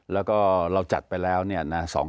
แล้วก็เราจัดไปแล้วเนี่ย๒ครั้ง